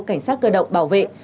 cảnh sát cơ động bảo vệ